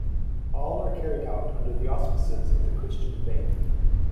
All are carried out under the auspices of the Christian faith.